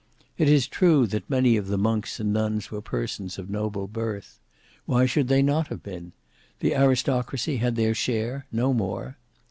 It is true that many of the monks and nuns were persons of noble birth. Why should they not have been? The aristocracy had their share; no more.